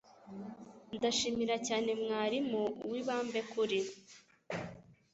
Ndashimira cyane mwarimu Uwibambekuri